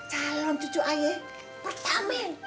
ini calon cucu ayah pertama